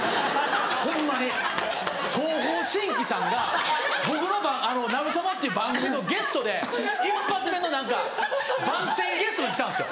ホンマに東方神起さんが僕の『なるトモ！』っていう番組のゲストで１発目の何か番宣ゲストで来たんですよ。